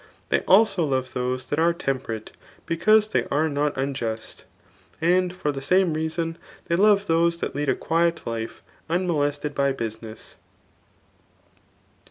They also love those that are temperate, because they are not unjust ; and for the same reason they love those that lead a quiet life unmolested by business.